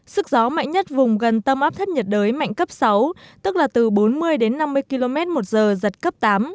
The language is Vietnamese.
sức gió mạnh nhất vùng gần tâm áp thấp nhiệt đới mạnh cấp sáu tức là từ bốn mươi đến năm mươi km một giờ giật cấp tám